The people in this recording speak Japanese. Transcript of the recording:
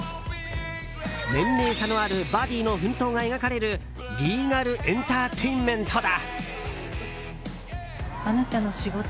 年齢差のあるバディーの奮闘が描かれるリーガルエンターテインメントだ。